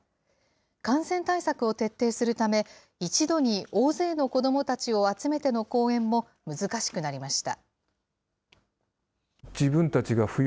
感染対策を徹底するため、一度に大勢の子どもたちを集めての公演も難しくなりました。